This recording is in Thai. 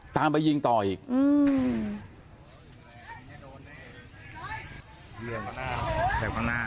ตามไปยิงต่ออีกอืม